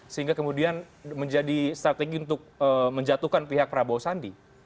sehingga kemudian menjadi strategi untuk menjatuhkan pihak prabowo sandi